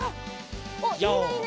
おっいいねいいね